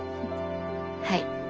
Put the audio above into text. はい。